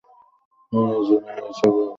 আপনার জেনারেল হিসেবে আপনাকে সেবা করতে চাই!